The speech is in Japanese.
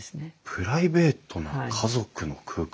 プライベートな家族の空間？